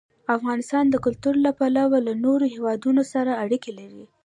افغانستان د کلتور له پلوه له نورو هېوادونو سره اړیکې لري.